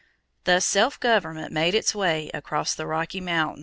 Thus self government made its way across the Rocky Mountains.